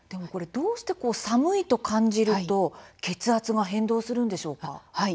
どうして寒いと感じると血圧が変動するんでしょうか。